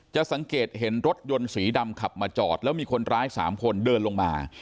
สังเกตเห็นรถยนต์สีดำขับมาจอดแล้วมีคนร้าย๓คนเดินลงมา